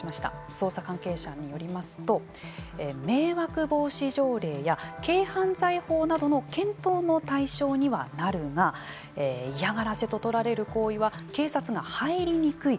捜査関係者によりますと迷惑防止条例や軽犯罪法などの検討の対象にはなるが嫌がらせと取られる行為は警察が入りにくい。